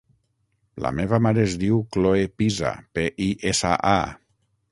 La meva mare es diu Chloe Pisa: pe, i, essa, a.